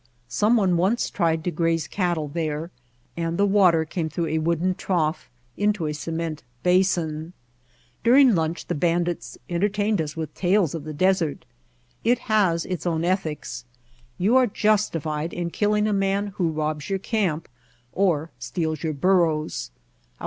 Some one once tried to graze cattle there, and the water came through a wooden trough into a cement basin. During lunch the [4S] White Heart of Mojave bandits entertained us with tales of the desert. It has its own ethics. You are justified in kill ing a man who robs your camp or steals your burros.